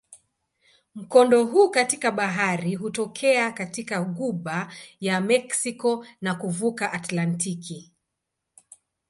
Mkondo huu katika bahari hutokea katika ghuba ya Meksiko na kuvuka Atlantiki.